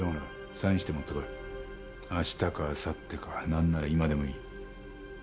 サインして持ってこい」「あしたかあさってか何なら今でもいい」